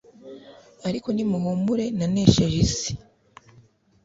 ariko nimuhumure nanesheje isi